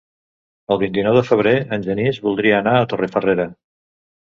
El vint-i-nou de febrer en Genís voldria anar a Torrefarrera.